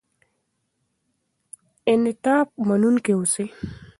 انعطاف منونکي اوسئ.